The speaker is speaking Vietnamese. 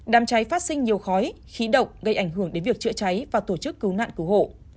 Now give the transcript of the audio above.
đàm cháy phát sinh nhiều khói khí độc gây ảnh hưởng đến việc chữa cháy và tổ chức cứu nạn cứu hộ